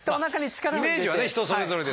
まあイメージはね人それぞれですから。